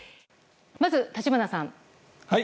まず立花さん。